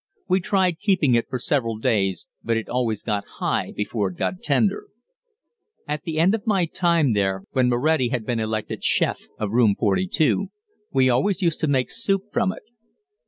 We tried keeping it for several days, but it always got high before it got tender. At the end of my time there, when Moretti had been elected chef of Room 42, we always used to make soup from it.